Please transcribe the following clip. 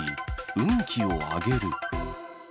運気を上げる。